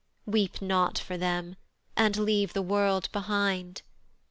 Weep not for them, and leave the world behind.